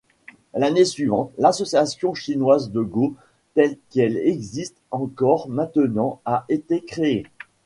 L'année suivante, l'association chinoise de go, telle qu'elle existe encore maintenant, a été créée.